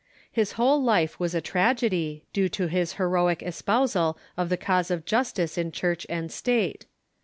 His whole life was a tragedy, due to his heroic espousal of the cause of justice in Church and State.